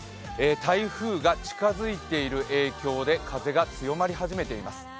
台風が近づいている影響で風が強まり始めています。